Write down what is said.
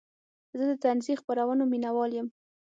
زه د طنزي خپرونو مینهوال یم.